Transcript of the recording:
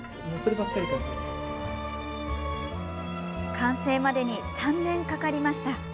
完成までに３年かかりました。